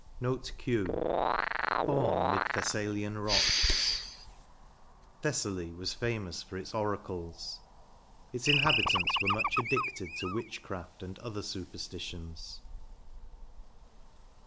Note Q. Bom 'mid TheeeaUan rocks," Thessaly was famous for its oracles. Its inhabitants were much addicted to witchcraft and other superstitions.